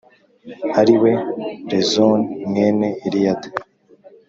ari we Rezoni mwene Eliyada